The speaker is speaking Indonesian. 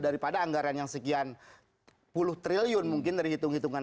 daripada anggaran yang sekian puluh triliun mungkin dari hitung hitungan